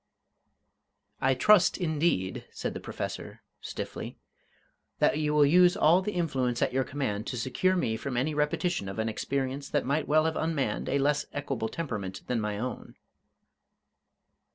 "I trust, indeed," said the Professor, stiffly, "that you will use all the influence at your command to secure me from any repetition of an experience that might well have unmanned a less equable temperament than my own."